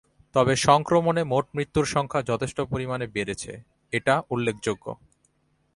তবে সংক্রমণে মোট মৃত্যুর সংখ্যা যথেষ্ট পরিমাণে বেড়েছে এটা উল্লেখযোগ্য।